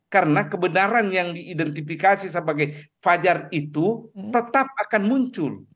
karena kebenaran yang diidentifikasi sebagai fajar itu tetap akan muncul